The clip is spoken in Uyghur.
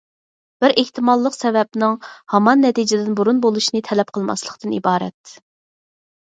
بىر ئېھتىماللىق سەۋەبنىڭ ھامان نەتىجىدىن بۇرۇن بولۇشىنى تەلەپ قىلماسلىقتىن ئىبارەت.